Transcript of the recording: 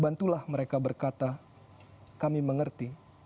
bantulah mereka berkata kami mengerti